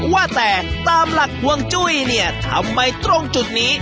ว่าแต่ตามหลักห่วงจุ้ยเนี่ยทำไมตรงจุดนี้